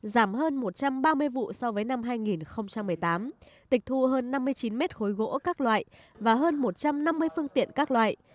giảm hơn một trăm ba mươi vụ so với năm hai nghìn một mươi tám tịch thu hơn năm mươi chín mét khối gỗ các loại và hơn một trăm năm mươi phương tiện các loại